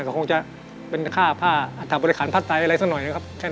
ก็คงจะเป็นค่าผ้าอัตถาบริขาลพัดไตอะไรสักหน่อยแค่นั้นค่ะบวชครับผม